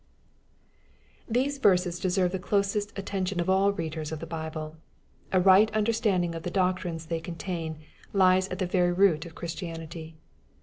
Thbse verses deserve the closest attention of all readers of the Bible. A right understanding of the doctrines they contain lies at the very root of Christianity.